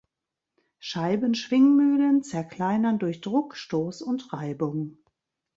Scheiben-Schwingmühlen zerkleinern durch Druck, Stoß und Reibung.